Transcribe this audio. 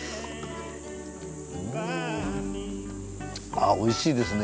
あおいしいですね。